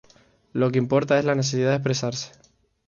Lo que importa es la necesidad de expresarse.